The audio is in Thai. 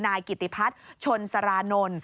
นายกิติพัฒน์ชนสารานนท์